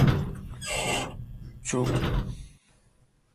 چوپ۔